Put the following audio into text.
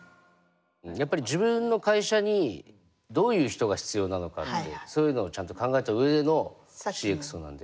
やっぱり自分の会社にどういう人が必要なのかってそういうのをちゃんと考えた上でのＣｘＯなんで。